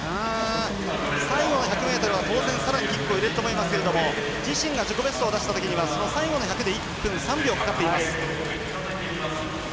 最後の１００ｍは当然さらにキックを入れると思いますが自身が自己ベストを出したときには最後の１００で１分３秒かかっています。